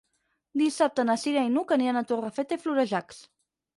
Dissabte na Cira i n'Hug aniran a Torrefeta i Florejacs.